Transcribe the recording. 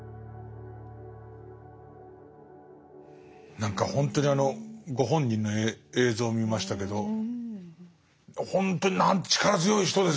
何かほんとにあのご本人の映像見ましたけどほんとに力強い人ですね。